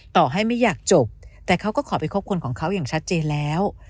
ต่อให้ไม่อยากจบแต่เขาก็ขอไปคบคนของเขาอย่างชัดเจนแล้ว